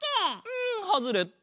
うんハズレット。